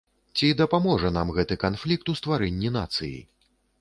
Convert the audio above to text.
Ці дапаможа нам гэты канфлікт у стварэнні нацыі?